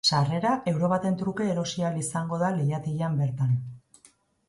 Sarrera euro baten truke erosi ahal izango da lehiatilan bertan.